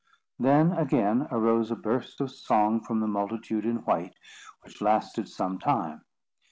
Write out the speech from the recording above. Then, again, arose a burst of song from the multitude in white, which lasted some time.